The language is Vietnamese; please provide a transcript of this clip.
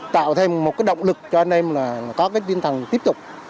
tạo thêm một cái động lực cho anh em là có cái tinh thần tiếp tục